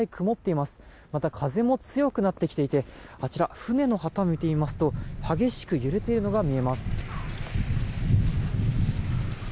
また、風も強くなってきていてあちら、船の旗を見てみますと激しく揺れているのが見えます。